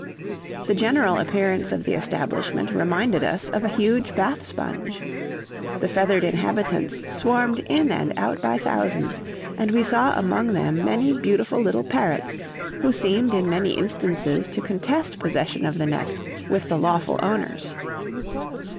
The general appearance of the establishment reminded us of a huge bath sponge. The feathered inhabitants swarmed in and out by thousands, and we saw among them many beautiful little parrots, who seemed in many instances to contest possession of the nest with the lawful owners.